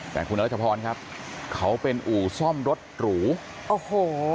แต่คุณรัชพรครับเขาเป็นอู่ซ่อมรถหรูโอ้โห